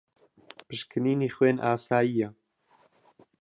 پشکنینی خوێن ئاسایییە.